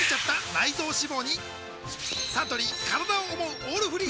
サントリー「からだを想うオールフリー」